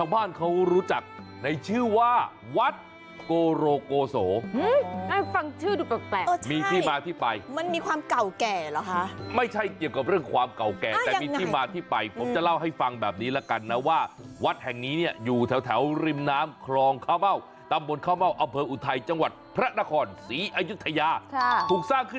ไปแล้วชีวิตดีแน่นอนไม่เชื่อลองไปดู